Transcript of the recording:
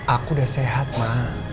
aku udah sehat ma